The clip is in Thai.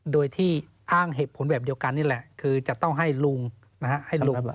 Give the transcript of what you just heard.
โดยที่อ้างเหตุผลแบบเดียวกันนี่แหละคือจะต้องให้ลุงนะฮะให้ลุง